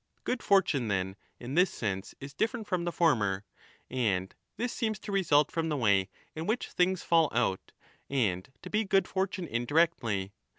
Good fortune, then, in this sense is different from the former, and this seems to result from the way in which things fall out, and to be good fortune indirectly.